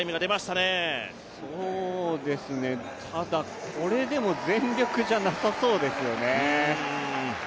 ただ、これでも全力じゃなさそうですよね。